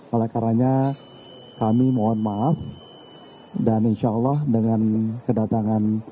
oleh karanya kami mohon maaf dan insya allah dengan kedatangan